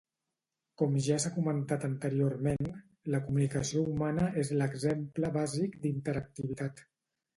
Com ja s'ha comentat anteriorment, la comunicació humana és l'exemple bàsic d'interactivitat.